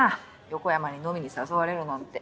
横山に飲みに誘われるなんて。